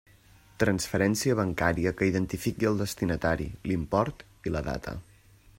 Transferència bancària que identifiqui el destinatari, l'import i la data.